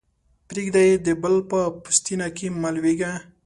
پرېږده يې؛ د بل په پوستينه کې مه لویېږه.